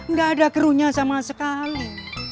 gak ada keruhnya sama sekali